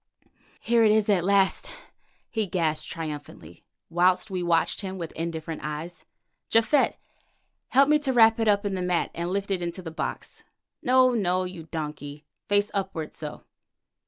"Here it is at last," he gasped triumphantly, whilst we watched him with indifferent eyes. "Japhet, help me to wrap it up in the mat and lift it into the box. No, no, you donkey—face upward—so.